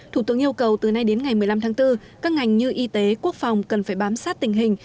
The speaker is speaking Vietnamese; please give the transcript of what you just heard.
thủ tướng yêu cầu từ nay đến ngày một mươi năm tháng bốn các ngành như y tế quốc phòng cần phải bám sát tình hình